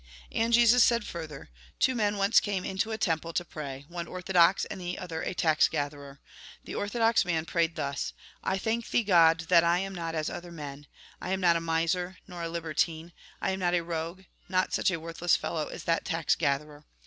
And Jesus said further :" Two men once came into a temple to pray ; one orthodox, and the other a tax gatherer. The orthodox man prayed tlms :' I thank Thee, God, that I am not as other men, I am not a miser, nor a libertine ; I am not a rogue, not such a worthless fellow as that tax gatherer.